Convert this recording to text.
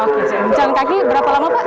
oke berjalan kaki berapa lama pak